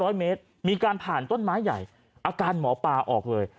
ร้อยเมตรมีการผ่านต้นไม้ใหญ่อาการหมอปลาออกเลย